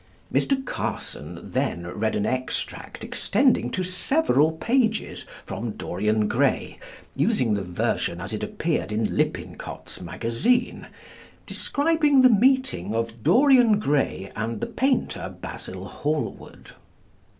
Mr. Carson then read an extract extending to several pages from "Dorian Gray," using the version as it appeared in Lippincott's Magazine, describing the meeting of Dorian Gray and the painter Basil Hallward.